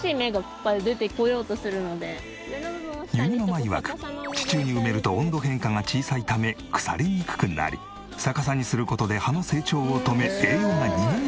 ゆにママいわく地中に埋めると温度変化が小さいため腐りにくくなり逆さにする事で葉の成長を止め栄養が逃げにくくなるという。